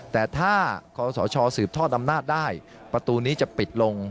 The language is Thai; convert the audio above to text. แต่ถ้าคศสืบทอดอำนาจได้ประตูนี้จะปิดลง